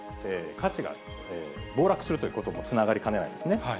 価値が暴落するということにもつながりかねないですね。